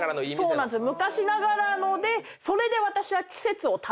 そうなんです。